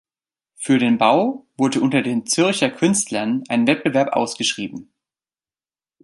Für den Bau wurde unter den Zürcher Künstlern ein Wettbewerb ausgeschrieben.